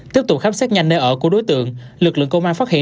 tiếp tục khám xét nhanh nơi ở của đối tượng lực lượng công an phát hiện